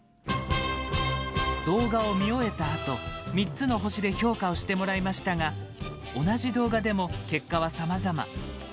動画を見終えたあと、３つの星で評価をしてもらいましたが同じ動画でも、結果はさまざま。